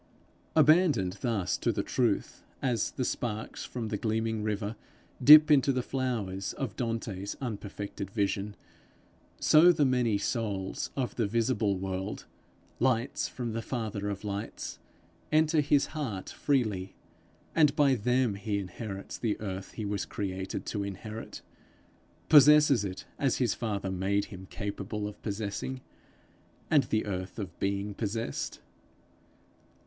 Abandoned thus to the truth, as the sparks from the gleaming river dip into the flowers of Dante's unperfected vision, so the many souls of the visible world, lights from the father of lights, enter his heart freely; and by them he inherits the earth he was created to inherit possesses it as his father made him capable of possessing, and the earth of being possessed.